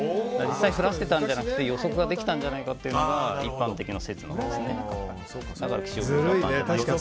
実際、降らせていたのではなく予測ができたんじゃないかというのが一般的な説です。